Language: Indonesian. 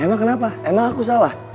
emang kenapa emang aku salah